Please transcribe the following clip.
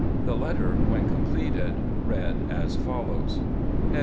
The letter when completed read as follows : Sheridan.